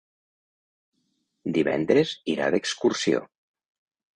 Divendres irà d'excursió.